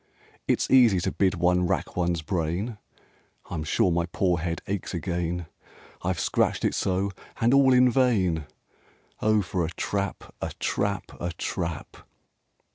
It's easy to bid one rack one's brain, I'm sure my poor head aches again, I've scratched it so, and all in vain. Oh for a trap, a trap, a trap!"